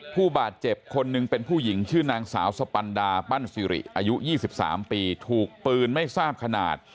ผู้บาดเจ็บคนหนึ่งเป็นผู้หญิงชื่อนางสาวสปันดาปั้นสิริอายุ๒๓ปีถูกปืนไม่ทราบขนาด